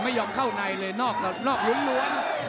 ไม่ยอมเข้าในเลยนอกล้วน